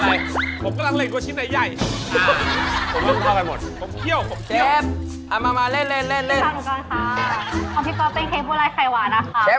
ของพี่ป๊อปเป็นเค้กบัวลายไข่หวานนะคะ